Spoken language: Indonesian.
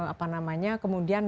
apa namanya kemudian